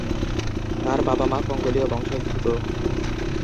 তার বাবা-মা কঙ্গোলীয় বংশোদ্ভূত।